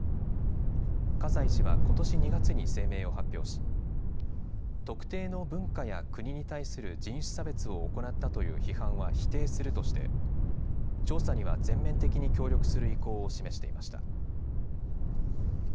葛西氏はことし２月に声明を発表し特定の文化や国に対する人種差別を行ったという批判は否定するとして調査には全面的に協力する意向を示していました。